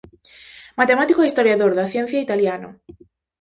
Matemático e historiador da ciencia italiano.